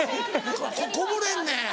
こぼれんねん。